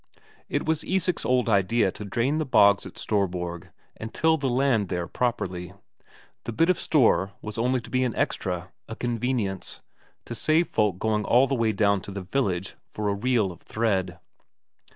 It was Isak's old idea to drain the bogs at Storborg and till the land there properly; the bit of a store was only to be an extra, a convenience, to save folk going all the way down to the village for a reel of thread.